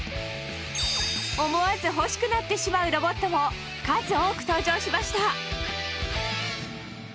思わず欲しくなってしまうロボットも数多く登場しました。